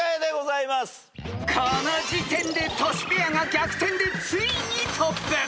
［この時点でトシペアが逆転でついにトップ］